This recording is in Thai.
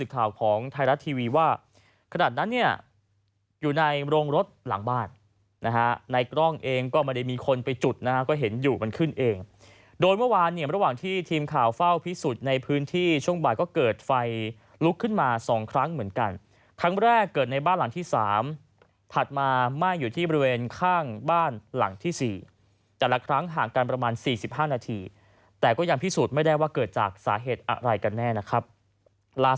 ไทรัสทีวีว่าขนาดนั้นเนี่ยอยู่ในโรงรถหลังบ้านนะฮะในกล้องเองก็ไม่ได้มีคนไปจุดนะฮะก็เห็นอยู่มันขึ้นเองโดนเมื่อวานเนี่ยระหว่างที่ทีมข่าวเฝ้าพิสูจน์ในพื้นที่ช่วงบ่ายก็เกิดไฟลุกขึ้นมา๒ครั้งเหมือนกันครั้งแรกเกิดในบ้านหลังที่๓ถัดมาไม่อยู่ที่บริเวณข้างบ้านหลังที่๔แต่ละ